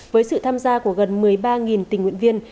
với sự tham gia của gần một mươi ba tình nguyện viên